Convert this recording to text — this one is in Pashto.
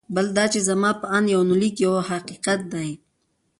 بل دا چې زما په اند یونلیک یو حقیقت دی.